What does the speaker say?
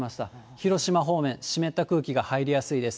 広島方面、湿った空気が入りやすいです。